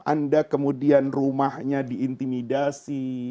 anda kemudian rumahnya diintimidasi